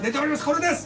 これです！